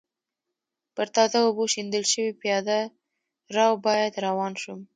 پر تازه اوبو شیندل شوي پېاده رو باندې روان شوم.